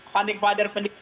panik pader pendidik